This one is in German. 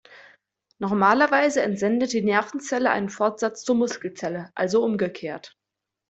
Normalerweise entsendet die Nervenzelle einen Fortsatz zur Muskelzelle, also umgekehrt.